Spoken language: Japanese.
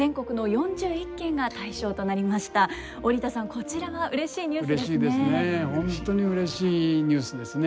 こちらはうれしいニュースですね。